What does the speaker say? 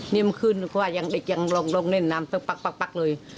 นี่เมื่อคืนเด็กยังลองเล่นน้ำปักเลย